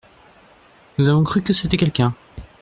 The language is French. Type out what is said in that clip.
Nous avons cru que c’était quelqu’un.